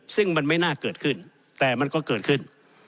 ซึ่งมันไม่น่าเกิดขึ้นแต่มันก็เกิดขึ้น